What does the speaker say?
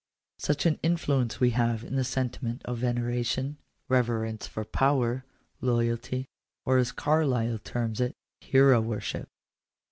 Such an influence we have in the sentiment of veneration, reverence for power, loyalty, or, as Carlyle terms it — hero worship.